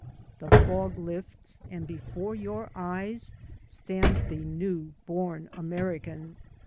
the fog lifts, and before your eyes stands the new bom American.